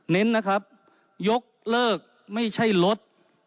เน้นนะครับยกเลิกไม่ใช่ลด